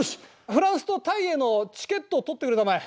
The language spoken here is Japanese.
フランスとタイへのチケットを取ってくれたまえ。